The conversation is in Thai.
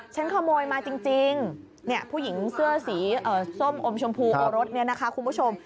ฉันขโมยมาจริงผู้หญิงเสื้อสีส้มอมชมพูโอรสคุณผู้ชม